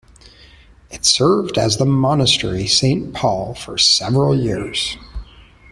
It served as the Monastery Saint Paul for several years.